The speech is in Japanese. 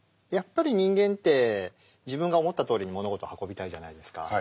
やっぱり人間って自分が思ったとおりに物事を運びたいじゃないですか。